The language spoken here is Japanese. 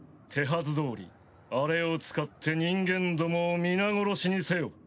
手はずどおりあれを使って人間どもを皆殺しにせよ。